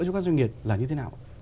cho các doanh nghiệp là như thế nào